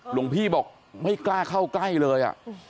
หลวงพี่บอกไม่กล้าเข้าใกล้เลย